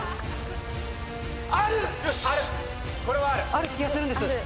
ある気がするんです！